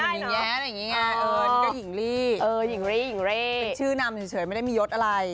เป็นชื่อนำเฉยไม่ได้มียศอะไร